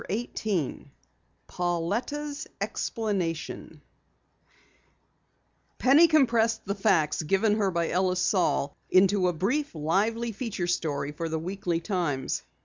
CHAPTER 18 PAULETTA'S EXPLANATION Penny compressed the facts given her by Ellis Saal into a brief, lively feature story for the Weekly Times.